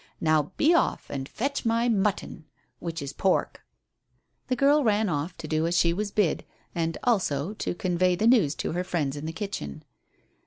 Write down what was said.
Now be off, and fetch my 'mutton' which is pork." The girl ran off to do as she was bid, and also to convey the news to her friends in the kitchen.